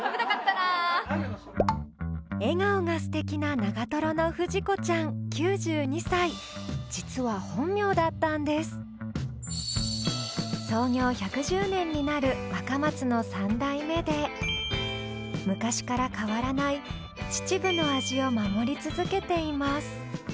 笑顔がすてきな長の不二子ちゃん９２歳実は本名だったんですになる若松の３代目で昔から変わらない秩父の味を守り続けています